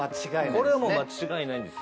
これは間違いないんですよ。